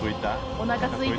おなかすいた。